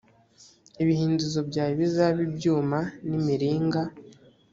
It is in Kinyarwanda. ibihindizo byawe bizabe ibyuma n’imiringa.